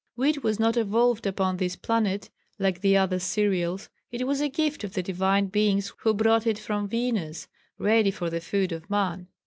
Wheat was not evolved upon this planet like the other cereals. It was a gift of the divine beings who brought it from Venus ready for the food of man.